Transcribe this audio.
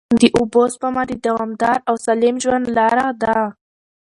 د اوبو سپما د دوامدار او سالم ژوند لاره ده.